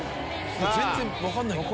全然分かんない。